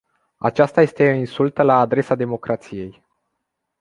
Aceasta este o insultă la adresa democrației.